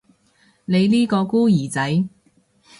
你呢個孤兒仔